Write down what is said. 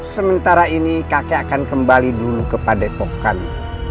sementara ini kakek akan kembali dulu kepada epok kami